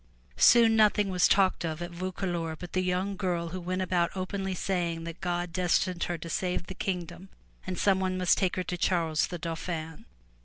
Soon nothing was talked of at Vaucouleurs but the young girl who went about openly saying that God destined her to save the kingdom and some one must take her to Charles the Dauphin.